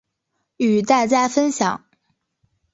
与大家分享